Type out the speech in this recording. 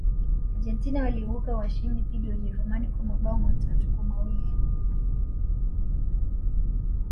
argentina waliibuka washindi dhidi ya ujerumani kwa mabao matatu kwa mawili